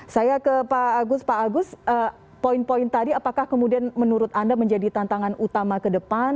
saya ke pak agus pak agus poin poin tadi apakah kemudian menurut anda menjadi tantangan utama ke depan